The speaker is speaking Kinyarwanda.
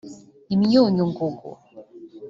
imyunyungugu